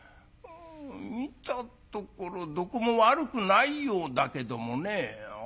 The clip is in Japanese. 見たところどこも悪くないようだけどもね」。